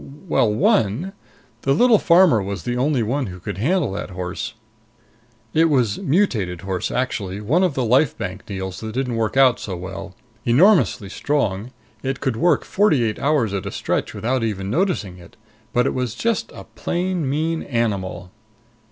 Well, one. The little farmer was the only one who could handle that horse. It was mutated horse, actually one of the Life Bank deals that didn't work out so well. Enormously strong. It could work forty eight hours at a stretch without even noticing it. But it was just a plain mean animal."